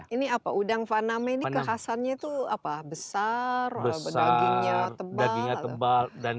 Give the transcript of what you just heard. ini apa udang faname ini kekhasannya itu besar dagingnya tebal